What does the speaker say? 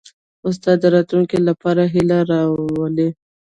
استاد د راتلونکي لپاره هیله راولي.